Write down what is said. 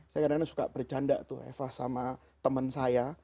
saya kadang kadang suka bercanda tuh eva sama teman saya